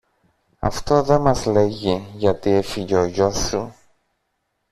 Αυτό δε μας λέγει γιατί έφυγε ο γιος σου